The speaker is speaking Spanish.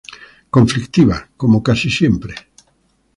Conflictiva, como casi siempre.